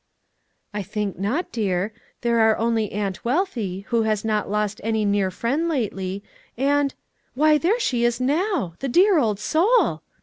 "I think not, dear; there are only Aunt Wealthy, who has not lost any near friend lately, and Why there she is now! the dear old soul!"